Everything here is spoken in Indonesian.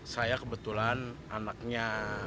saya kebetulan anaknya